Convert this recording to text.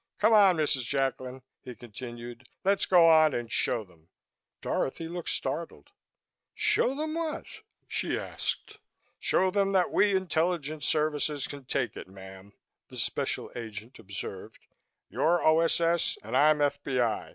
Come on, Mrs. Jacklin," he continued, "let's go on and show them." Dorothy looked startled. "Show them what," she asked. "Show them that we intelligence services can take it ma'am," the Special Agent observed. "You're O.S.S. and I'm F.B.I.